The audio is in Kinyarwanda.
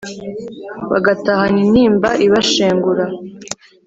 bagatahana intimba ibashengura